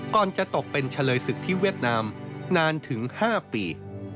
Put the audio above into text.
ก่อนจะตกเป็นเฉลยศึกที่เวียดนามนานถึง๕ปี